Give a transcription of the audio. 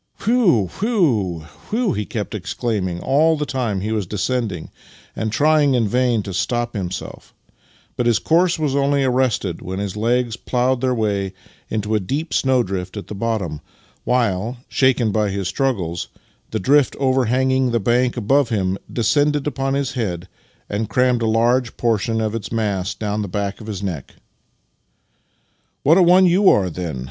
" Phew, phew, phew! " he kept exclaiming all the time he was descending and trying in vain to stop himself, but his course wag only arrested when his legs ploughed their way into a deep snowdrift at the bottom, while, shaken by his struggles, the drift overhanging the bank above him descended upon his head and crammed a large portion of its mass down the back of his neck. " What a one you are, then!